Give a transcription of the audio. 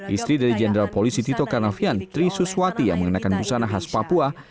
istri dari jenderal polisi tito karnavian tri suswati yang mengenakan busana khas papua